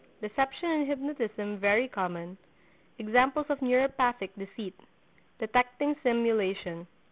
—Deception in Hypnotism Very Common.—Examples of Neuropathic Deceit.—Detecting Simulation.